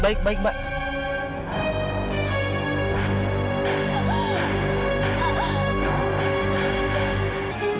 baik baik baik